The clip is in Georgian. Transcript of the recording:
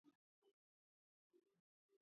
დაკრძალულია ქვეყნის ეროვნულ სასაფლაოზე.